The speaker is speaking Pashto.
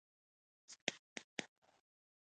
• رښتیني خلک د نېکبختۍ ژوند لري.